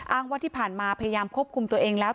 อ้างว่าที่ผ่านมาพยายามควบคุมตัวเองแล้ว